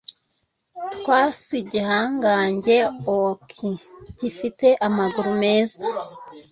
twas igihangange oak gifite amaguru meza